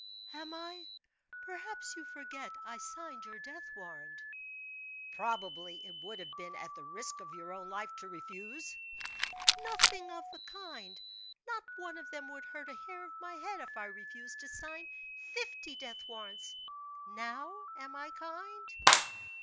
"Am I? Perhaps you forget I signed your death warrant." "Probably it would have been at the risk of your own life to refuse?" "Nothing of the kind! Not one of them would hurt a hair of my head if I refused to sign fifty death warrants! Now, am I kind?"